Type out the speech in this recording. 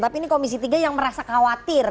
tapi ini komisi tiga yang merasa khawatir